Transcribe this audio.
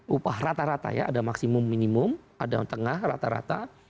upah rata rata ya ada maksimum minimum ada yang tengah rata rata